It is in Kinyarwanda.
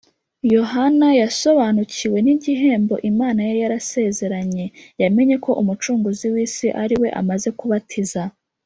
, Yohana yasobanukiwe n’igihembo Imana yari yarasezeranye. Yamenye ko Umucunguzi w’isi ari we amaze kubatiza